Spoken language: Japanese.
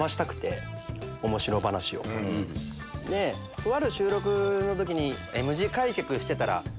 とある収録の時に。